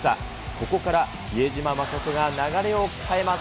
ここから比江島慎が流れを変えます。